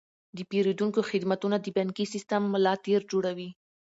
د پیرودونکو خدمتونه د بانکي سیستم ملا تیر جوړوي.